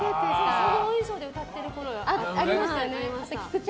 そのお衣装で歌ってるころありましたね。